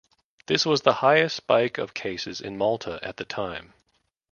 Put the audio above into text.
This was the highest spike of cases in Malta at the time.